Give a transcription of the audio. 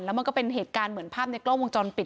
มันก็เป็นเหตุการณ์เหมือนภาพในกล้องวงจรปิด